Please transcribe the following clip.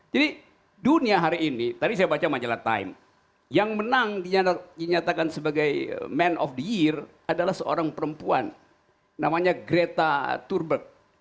jadi dunia hari ini tadi saya baca majalah time yang menang dinyatakan sebagai man of the year adalah seorang perempuan namanya greta thurberg